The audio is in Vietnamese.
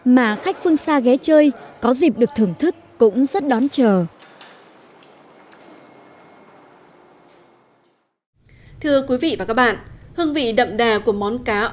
mà khách phương xa ghé chơi có dịp được thưởng thức cũng rất đón chờ